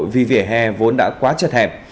vì vỉa hè vốn đã quá chật hẹp